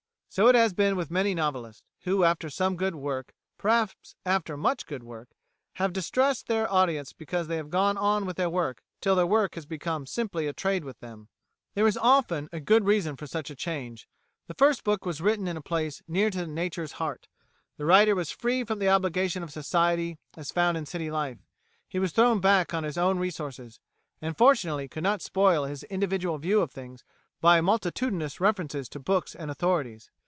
... So it has been with many novelists, who, after some good work, perhaps after much good work, have distressed their audience because they have gone on with their work till their work has become simply a trade with them."[146:A] There is often a good reason for such a change. The first book was written in a place near to Nature's heart; the writer was free from the obligations of society as found in city life; he was thrown back on his own resources, and fortunately could not spoil his individual view of things by multitudinous references to books and authorities.